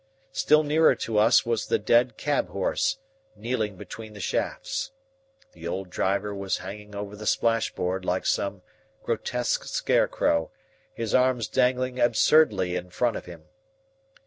Still nearer to us was the dead cab horse, kneeling between the shafts. The old driver was hanging over the splash board like some grotesque scarecrow, his arms dangling absurdly in front of him.